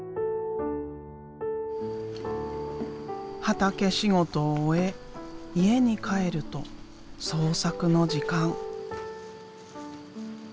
畑仕事を終え家に帰ると創作の時間。